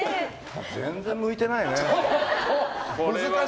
全然向いてないね。